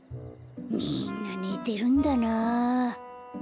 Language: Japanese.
みんなねてるんだな。